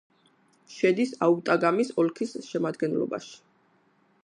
შედის აუტაგამის ოლქის შემადგენლობაში.